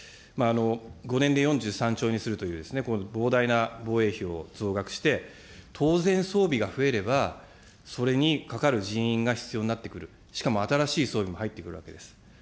５年で４３兆円にするという、この膨大な防衛費を増額して、当然、装備が増えれば、それにかかる人員が必要になってくる、しかも新しい装備も入ってくるわけです。